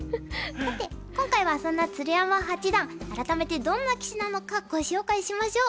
さて今回はそんな鶴山八段改めてどんな棋士なのかご紹介しましょう。